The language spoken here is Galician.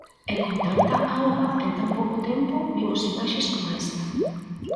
E con tanta auga en tan pouco tempo, vimos imaxes coma esta.